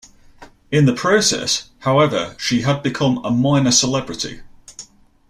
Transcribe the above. In the process, however, she had become a minor celebrity.